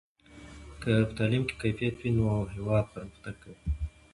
که په تعلیم کې کیفیت وي نو هېواد پرمختګ کوي.